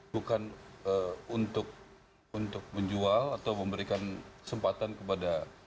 bukan untuk menjual atau memberikan kesempatan kepada